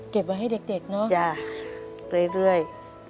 เก็บไว้ให้เด็กเนอะเรื่อย